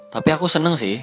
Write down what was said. tapi aku seneng sih